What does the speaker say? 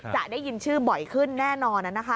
จะได้ยินชื่อบ่อยขึ้นแน่นอนนะคะ